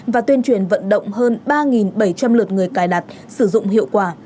và tuyên truyền vận động hơn ba bảy trăm linh lượt người cài đặt sử dụng hiệu quả